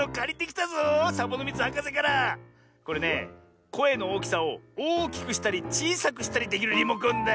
これねこえのおおきさをおおきくしたりちいさくしたりできるリモコンだ。